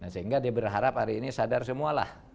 sehingga dia berharap hari ini sadar semualah